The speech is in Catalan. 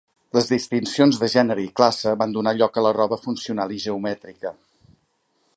Les distincions de gènere i classe van donar lloc a la roba funcional i geomètrica.